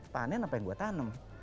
panen apa yang gue tanam